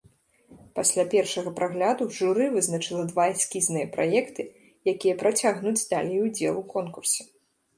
Пасля першага прагляду журы вызначыла два эскізныя праекты, якія працягнуць далей удзел у конкурсе.